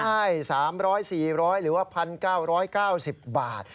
๓๐๐บาท๔๐๐บาทหรือว่า๑๙๙๐บาท